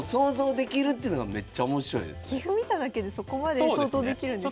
棋譜見ただけでそこまで想像できるんですね。